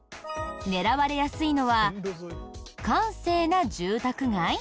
狙われやすいのは閑静な住宅街？